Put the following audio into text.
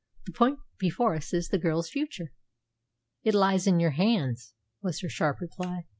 The point before us is the girl's future." "It lies in your hands," was her sharp reply.